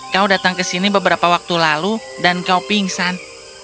kau datang ke sini beberapa waktu lalu dan kau pingsan